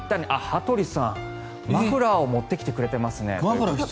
羽鳥さん、マフラーを持ってきてくれていますね。